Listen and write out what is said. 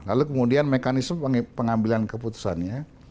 lalu kemudian mekanisme pengambilan keputusannya